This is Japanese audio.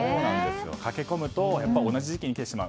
駆け込むと同じ時期に来てしまう。